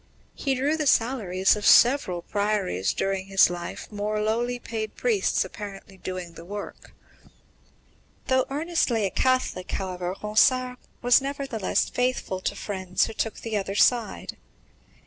He drew the salaries of several priories during his life, more lowly paid priests apparently doing the work. Though an earnest Catholic, however, Ronsard was never faithless to friends who took the other side.